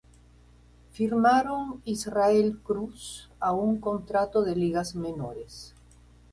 Firmaron "'Israel Cruz" a un contrato de ligas menores.